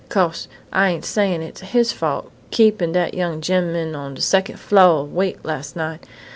'Cose I ain't sayin' it's his fault keepin' dat young gemman on de secon' flo' awake las' night....